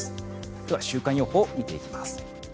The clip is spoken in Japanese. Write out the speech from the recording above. では、週間予報見ていきます。